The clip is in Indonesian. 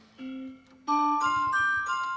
tidak ada yang bisa dihukum